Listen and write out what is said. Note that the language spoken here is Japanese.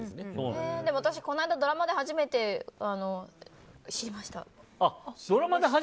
でも私、この間ドラマで初めて知りました。